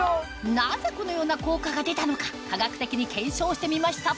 なぜこのような効果が出たのか科学的に検証してみました